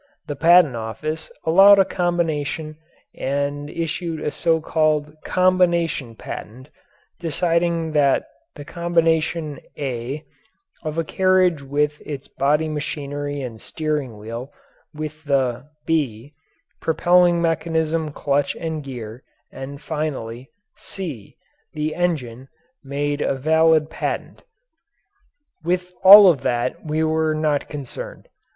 The Patent Office allowed a combination and issued a so called "combination patent" deciding that the combination (a) of a carriage with its body machinery and steering wheel, with the (b) propelling mechanism clutch and gear, and finally (c) the engine, made a valid patent. With all of that we were not concerned.